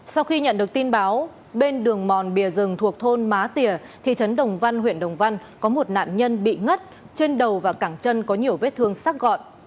sau khi nhận được tin báo bên đường mòn bìa rừng thuộc thôn má tỉa thị trấn đồng văn huyện đồng văn có một nạn nhân bị ngất trên đầu và cảng chân có nhiều vết thương sắc gọn